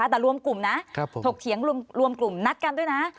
แต่รวมกลุ่มนะถกเถียงรวมกลุ่มนัดกันด้วยนะ